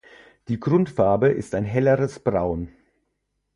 Die Grundfarbe ist ein helleres Braun.